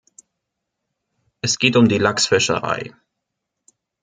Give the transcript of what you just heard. Es geht um die Lachsfischerei.